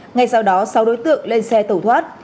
ngay sau đó sáu đối tượng lên xe tẩu thoát